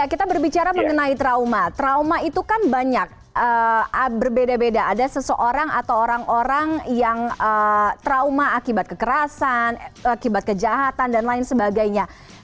kita berbicara mengenai trauma trauma itu kan banyak berbeda beda ada seseorang atau orang orang yang trauma akibat kekerasan akibat kejahatan dan lain sebagainya